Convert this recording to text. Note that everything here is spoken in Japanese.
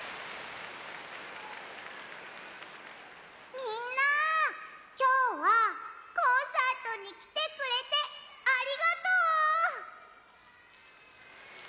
みんなきょうはコンサートにきてくれてありがとう！